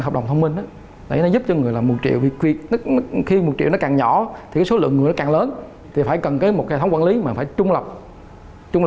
áp dụng công nghệ blockchain